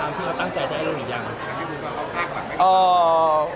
ตามที่เราตั้งใจได้หรืออย่าง